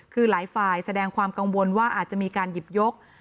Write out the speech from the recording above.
คือหลายฝ่ายแสดงความกังวลว่าอาจจะมีการหยิบยก